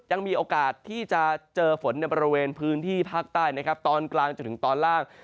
ยังมีโอกาสที่จะเจอฝนในบริเวณพื้นที่ภาคใต้นะครับตอนกลางจนถึงตอนล่าง